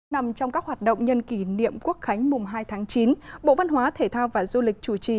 nằm trong các hoạt động nhân kỷ niệm quốc khánh mùng hai tháng chín bộ văn hóa thể thao và du lịch chủ trì